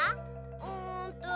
うんと。